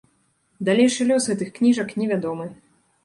Далейшы лёс гэтых кніжак невядомы.